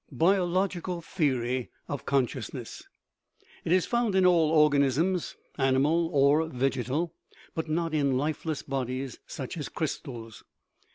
Biological theory of consciousness. It is found in all organisms, animal or vegetal, but not in lifeless bodies (such as crystals).